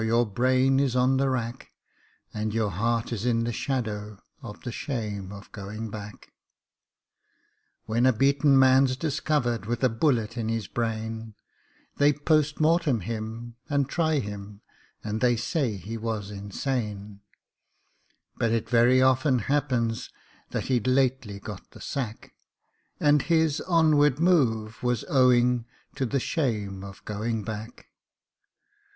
your brain is on the rack, And your heart is in the shadow of the shame of going back. When a beaten man's discovered with a bullet in his brain, They POST MORTEM him, and try him, and they say he was insane; But it very often happens that he'd lately got the sack, And his onward move was owing to the shame of going back.